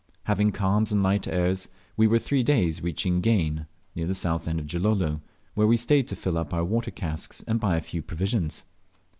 Having calms and light airs, we were three days reaching Gane, near the south end of Gilolo, where we stayed to fill up our water casks and buy a few provisions.